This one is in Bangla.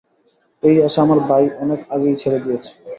এই আশা আমার ভাই অনেক আগেই ছেড়ে দিয়েছে।